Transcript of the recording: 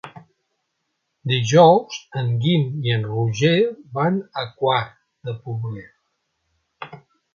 Dijous en Guim i en Roger van a Quart de Poblet.